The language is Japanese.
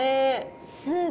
すごい！